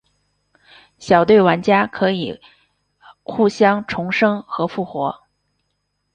小队玩家可以互相重生和复活。